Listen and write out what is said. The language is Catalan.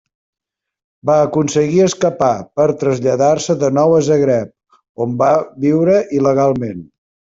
Va aconseguir escapar, per traslladar-se de nou a Zagreb, on va viure il·legalment.